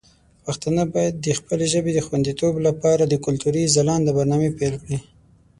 پښتانه باید د خپلې ژبې د خوندیتوب لپاره د کلتوري ځلانده برنامې پیل کړي.